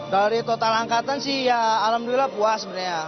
dari total angkatan sih ya alhamdulillah puas sebenarnya